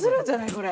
これ。